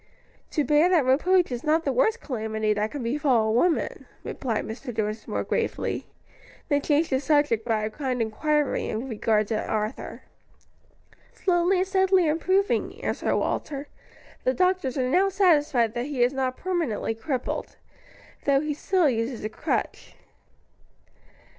"To bear that reproach is not the worst calamity that can befall a woman," replied Mr. Dinsmore gravely; then changed the subject by a kind inquiry in regard to Arthur. "Slowly and steadily improving," answered Walter. "The doctors are now satisfied that he is not permanently crippled, though he still uses a crutch."